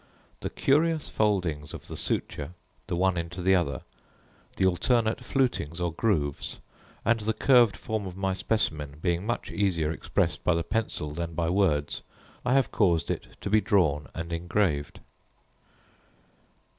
The curious foldings of the suture, the one into the other, the alternate flutings or grooves, and the curved form of my specimen being much easier expressed by the pencil than by words, I have caused it to be drawn and engraved.